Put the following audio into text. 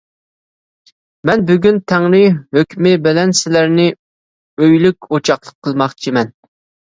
مەن بۈگۈن تەڭرى ھۆكمى بىلەن سىلەرنى ئۆيلۈك ئوچاقلىق قىلماقچىمەن.